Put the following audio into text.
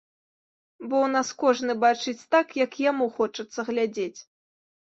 Бо ў нас кожны бачыць так, як яму хочацца глядзець.